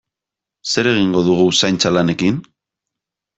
Zer egingo dugu zaintza lanekin?